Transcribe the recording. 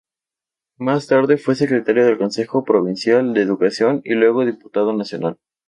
Más tarde fue secretario del Consejo Provincial de Educación y luego diputado nacional.